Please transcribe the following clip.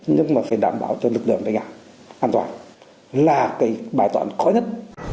nhưng mà phải đảm bảo cho lực lượng ở nhà an toàn là cái bài toán khó nhất